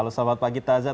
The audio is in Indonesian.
halo selamat pagi tazah